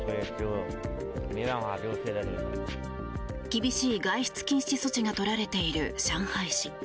厳しい外出禁止措置が取られている上海市。